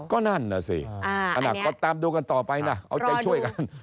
ก็นั่นน่ะสิก็ตามดูกันต่อไปนะเอาใจช่วยกัน